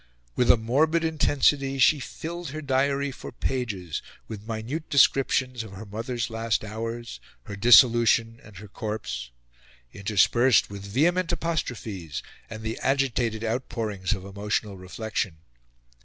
With a morbid intensity, she filled her diary for pages with minute descriptions of her mother's last hours, her dissolution, and her corpse, interspersed with vehement apostrophes, and the agitated outpourings of emotional reflection.